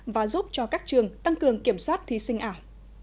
và giúp cho các trường tăng cường kiểm soát thí sinh ảo